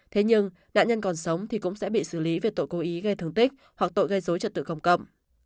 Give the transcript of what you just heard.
thế nhưng nạn nhân còn sống thì cũng sẽ bị xử lý về tội cố ý gây thương tích hoặc tội gây dối trật tự công cộng